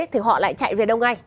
thì họ lại chạy về đông anh